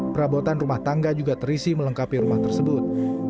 perabotan rumah tangga juga terisi melengkapi rumah tersebut